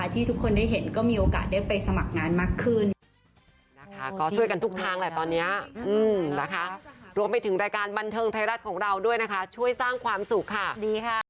ที่ทุกคนได้เห็นก็มีโอกาสได้ไปสมัครงานมากขึ้น